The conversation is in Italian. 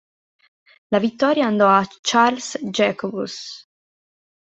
La vittoria andò a Charles Jacobus.